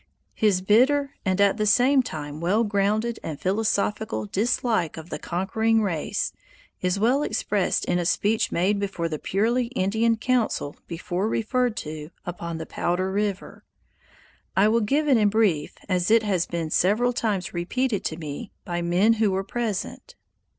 His bitter and at the same time well grounded and philosophical dislike of the conquering race is well expressed in a speech made before the purely Indian council before referred to, upon the Powder River. I will give it in brief as it has been several times repeated to me by men who were present.